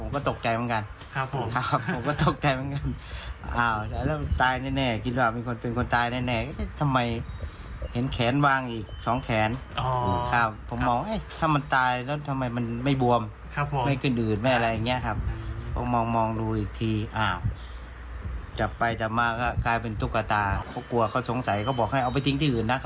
เขากลัวมันก็แปลกมันก็ตกใจเขาคิดว่าเป็นคนตายจริง